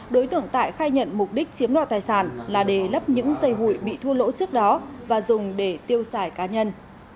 đối tưởng tại khai nhận mục đích chiếm đoạt tài sản là để lắp những dây hủy bị thua lỗ trước đó và dùng để tiêu xài cá nhân